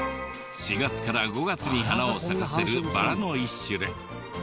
４月から５月に花を咲かせるバラの一種で。